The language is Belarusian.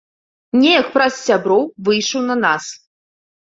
Неяк праз сяброў выйшаў на нас.